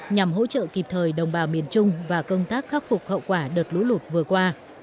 nhằm hỗ trợ kịp thời đồng bào miền trung và công tác khắc phục hậu quả đợt lũ lụt vừa qua